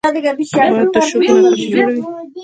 باد د شګو نقاشي جوړوي